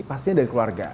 pastinya dari keluarga